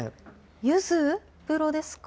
ゆず風呂ですか？